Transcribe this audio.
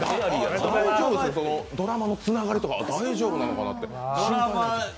ドラマのつながりとか大丈夫なのかなって。